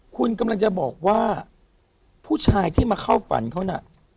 คุณกำลังจะบอกว่าผู้ชายที่มาเข้าฝันเขาน่ะ